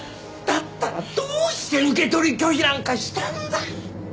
だったらどうして受け取り拒否なんかしたんだ！？